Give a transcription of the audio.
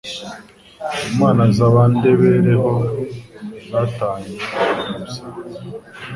Inama za Bandebereho zatanze uwuhe musaruro ?